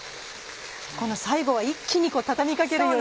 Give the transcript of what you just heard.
最後は一気に畳み掛けるように。